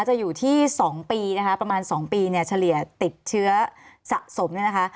จะอยู่ที่๒ปีนะคะประมาณ๒ปีเนี่ยเฉลี่ยติดเชื้อสะสมเนี่ยนะคะ